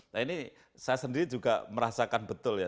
nah ini saya sendiri juga merasakan betul ya